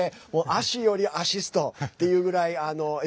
足よりアシストっていうぐらい。